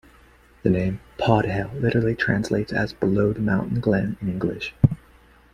The name Podhale literally translates as "below the mountain glen" in English.